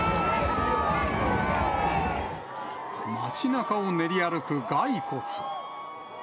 町なかを練り歩く骸骨。